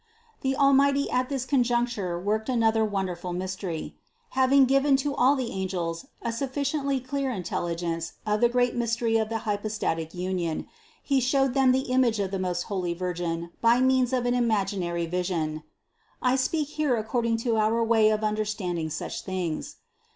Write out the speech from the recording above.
93. The Almighty at this conjuncture worked an other wonderful mystery. Having given to all the angels a sufficiently clear intelligence of the great mystery of the hypostatic Union, He showed them the image of the most holy Virgin by means of an imaginary vision (I speak here according to our way of understanding such things).